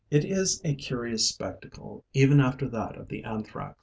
It is a curious spectacle even after that of the Anthrax.